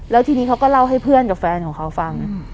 แล้วทีนี้เขาก็เล่าให้เพื่อนกับแฟนของเขาฟัง